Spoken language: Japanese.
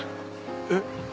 えっ？